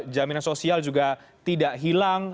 jaminan sosial juga tidak hilang